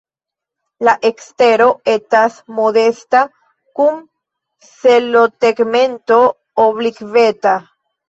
La ekstero etas modesta kun selotegmento oblikveta.